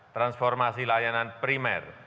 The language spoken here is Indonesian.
transformasi layanan primer